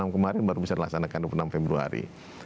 kemarin baru bisa dilaksanakan dua puluh enam februari